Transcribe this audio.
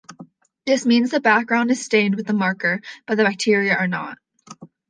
This means the background is stained with the marker, but the bacteria are not.